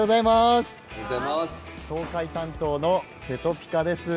東海担当のせとぴかです。